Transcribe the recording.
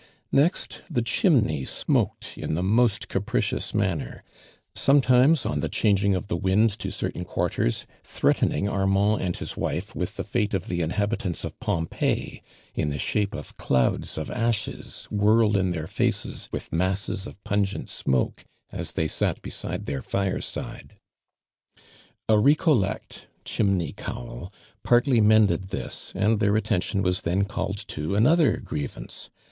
Ne.xt the chimney smoked in the most capricious manner, sometimes, on tho clianging of tho wind to certain quarters, threatening Armand an<l Iiis wife with the fate of the inhabitants of Pompeii, in the shape of clouds of ashes whirled in tliei? faces with masses of pungi nt smoko as they sat beside their fireside, A recollect (chinmey cowl ) partly niende*! this, and their attention was then called to another grievance.